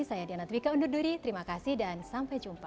saya diana twika undur diri terima kasih dan sampai jumpa